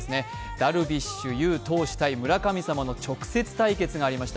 ダルビッシュ有投手対村神様の直接対決がありました。